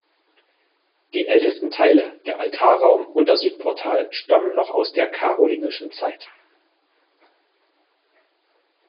Die ältesten Teile, der Altarraum und das Südportal, stammen noch aus der karolingischen Zeit.